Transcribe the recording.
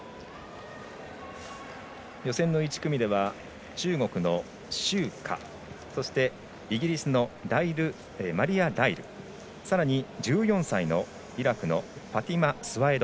予選の１組では中国の周霞そしてイギリスのマリア・ライルさらに１４歳のイラクのファティマ・スワエド。